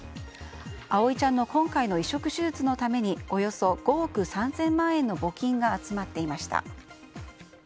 葵ちゃんの今回の移植手術のためにおよそ５億３０００万円の募金が集まっていました。